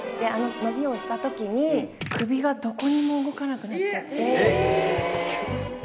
あの伸びをした時に首がどこにも動かなくなっちゃって。